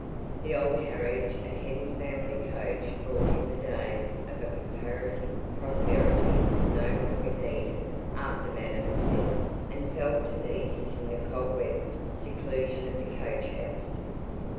The old carriage a heavy family coach bought in the days of comparative prosperity was no longer needed after madam's death, and fell to pieces in the cobwebbed seclusion of the coach house.